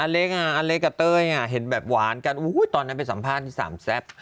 เล็กอเล็กกับเต้ยเห็นแบบหวานกันตอนนั้นไปสัมภาษณ์ที่สามแซ่บ